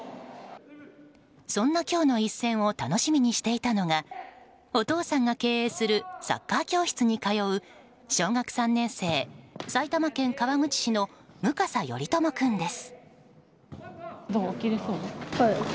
そんな今日の一戦を楽しみにしていたのがお父さんが経営するサッカー教室に通う小学３年生、埼玉県川口市の武笠頼友君です。